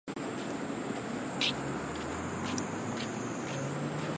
埃庇米尼得斯陨石坑是位于月球正面西南部的一座撞击坑。